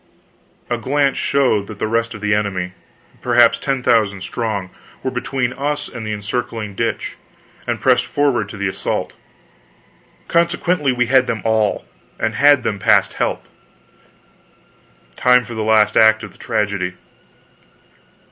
A glance showed that the rest of the enemy perhaps ten thousand strong were between us and the encircling ditch, and pressing forward to the assault. Consequently we had them all! and had them past help. Time for the last act of the tragedy.